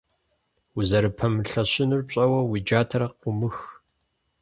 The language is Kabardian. Узэрыпэмылъэщынур пщӀэуэ, уи джатэр къумых.